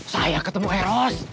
saya ketemu eros